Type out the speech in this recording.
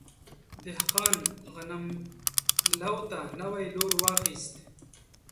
دهقان غنم لو ته نوی لور واخیست.